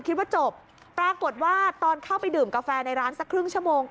คิดว่าจบปรากฏว่าตอนเข้าไปดื่มกาแฟในร้านสักครึ่งชั่วโมง